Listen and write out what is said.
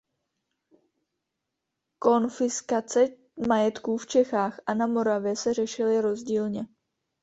Konfiskace majetků v Čechách a na Moravě se řešily rozdílně.